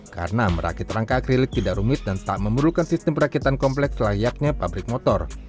karena merakit rangka akrilik tidak rumit dan tak memerlukan sistem perakitan kompleks layaknya pabrik motor